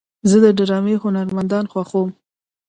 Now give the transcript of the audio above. زه د ډرامې هنرمندان خوښوم.